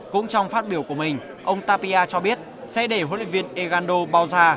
cũng trong phát biểu của mình ông tapia cho biết sẽ để huấn luyện viên ergando bauza